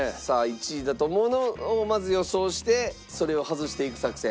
１位だと思うものをまず予想してそれを外していく作戦。